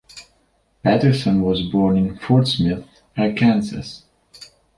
Patterson was born in Fort Smith, Arkansas.